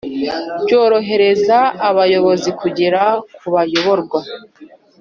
byorohereza abayobozi kugera ku bayoborwa